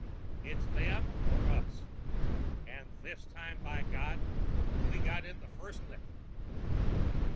It's them or us. And this time, by God, we got in the first lick!"